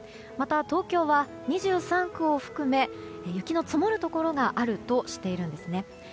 また東京は２３区を含め雪の積もるところがあるとしているんですね。